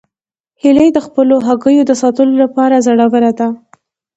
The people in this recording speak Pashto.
هیلۍ د خپلو هګیو د ساتلو لپاره زړوره ده